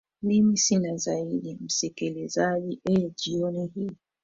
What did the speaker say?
mimi sina zaidi msikilizaji ee jioni hii